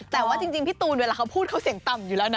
แต่ว่าจริงพี่ตูนเวลาเขาพูดเขาเสียงต่ำอยู่แล้วนะ